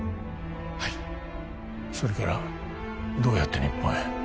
はいそれからどうやって日本へ？